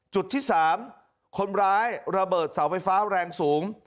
จุดที่๓คนร้ายระเบิดเสาไฟฟ้าแรงสูง